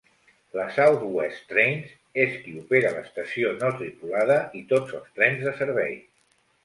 La South West Trains és qui opera l'estació no tripulada i tots els trens de servei.